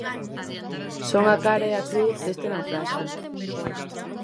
Son a cara e a cruz deste naufraxio.